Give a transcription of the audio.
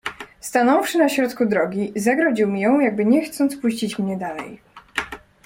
"Stanąwszy na środku drogi, zagrodził mi ją, jakby nie chcąc puścić mię dalej."